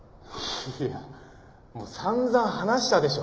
いやもう散々話したでしょ？